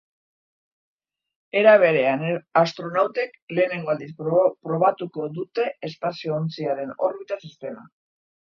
Era berean, astronautek lehenengo aldiz probatuko dute espazio-ontziaren orbita sistema.